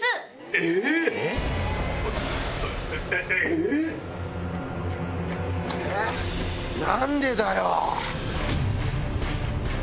え⁉えっ何でだよ